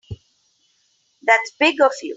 That's big of you.